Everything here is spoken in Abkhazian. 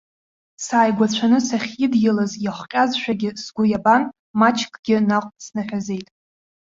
Сааигәацәаны сахьидиалаз иахҟьазшәагьы сгәы иабан, маҷкгьы наҟ снаҳәазеит.